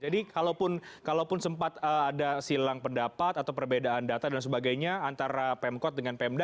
jadi kalaupun sempat ada silang pendapat atau perbedaan data dan sebagainya antara pemkot dengan pemda